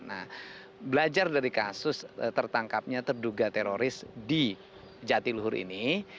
nah belajar dari kasus tertangkapnya terduga teroris di jatiluhur ini